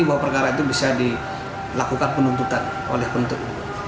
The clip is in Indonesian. bahwa perkara itu bisa dilakukan penuntutan oleh penuntut